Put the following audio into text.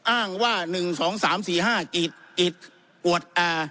อ้างว่าหนึ่งสองสามสี่ห้ากรีดกรีดกวดอ่า